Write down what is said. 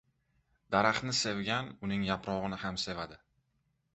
• Daraxtni sevgan uning yaprog‘ini ham sevadi.